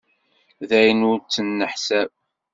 D ayen ur nettneḥsab.